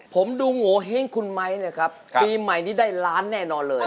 ผมดูโงเห้งคุณไม้เนี่ยครับปีใหม่นี้ได้ล้านแน่นอนเลย